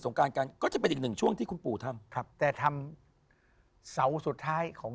การกันก็จะเป็นอีกหนึ่งช่วงที่คุณปู่ทำครับแต่ทำเสาสุดท้ายของ